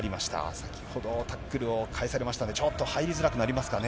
先ほど、タックルを返されましたので、ちょっと入りづらくなりますかね。